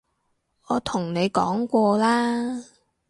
我同你講過啦